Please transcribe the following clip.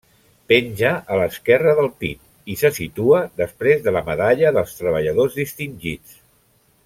Penja a l'esquerra del pit, i se situa després de la Medalla dels Treballadors Distingits.